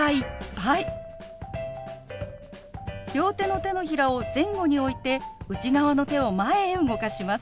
両手の手のひらを前後に置いて内側の手を前へ動かします。